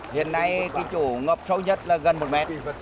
hiện nay thì chủ ngọp sâu nhất là gần một m